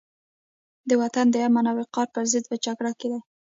د وطن د امن او وقار پرضد په جګړه کې دي.